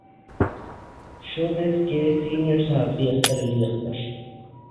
شو business کے سینئر صحافی اختر علی اختر